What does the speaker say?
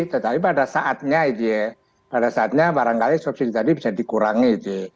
tetapi pada saatnya itu ya pada saatnya barangkali subsidi tadi bisa dikurangi